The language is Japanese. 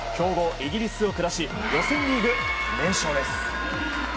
イギリスを下し予選リーグ連勝です。